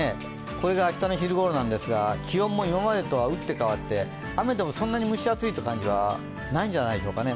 これが明日の昼ごろなんですが気温も今までとは打って変わって、雨でもそんなに蒸し暑いという感じはないんじゃないでしょうかね。